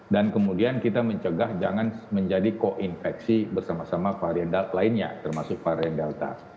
dan kemudian kita mencegah jangan menjadi ko infeksi bersama sama varian lainnya termasuk varian delta